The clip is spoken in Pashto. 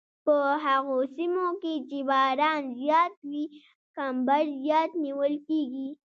په هغو سیمو کې چې باران زیات وي کمبر زیات نیول کیږي